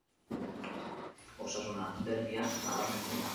Osasuna derbia nabarmentzen da.